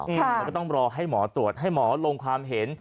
มันก็ต้องรอให้หมอตรวจให้หมอลงความเห็น